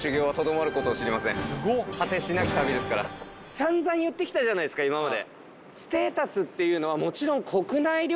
散々言ってきたじゃないですか今まで。